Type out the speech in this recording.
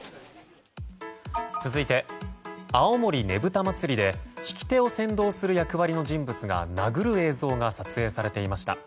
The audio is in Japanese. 続いて、青森ぶた祭で曳手を先導する役割の人物が殴る映像が撮影されていました。